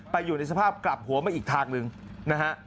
อยู่ในสภาพกลับหัวมาอีกทางหนึ่งนะฮะ